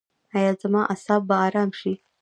ایا زما اعصاب به ارام شي؟